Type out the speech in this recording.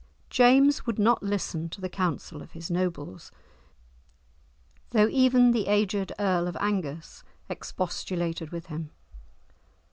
James would not listen to the counsel of his nobles, though even the aged Earl of Angus expostulated with him.